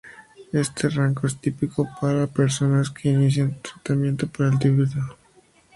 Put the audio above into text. Este rango es típico para personas que inician tratamiento para el tipo generalizado.